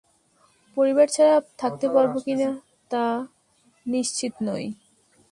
পরিবার ছাড়া থাকতে পারব কি না তা নিশ্চিত নই।